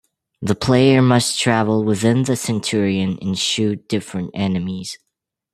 The player must travel within the Centurion and shoot different enemies.